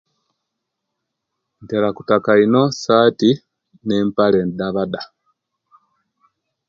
Ntera kutaka ino sati na mpale ndabada